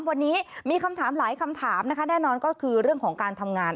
วันนี้มีคำถามหลายคำถามนะคะแน่นอนก็คือเรื่องของการทำงาน